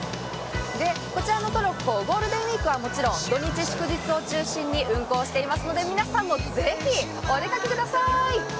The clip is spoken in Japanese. こちらのトロッコ、ゴールデンウイークはもちろん、土日祝日を中心に運行をしていますので皆さんもぜひ、お出かけください。